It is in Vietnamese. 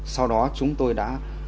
sau đó chúng tôi đã